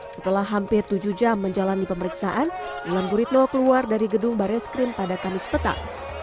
setelah hampir tujuh jam menjalani pemeriksaan ilan buritno keluar dari gedung baris krim pada kamis petang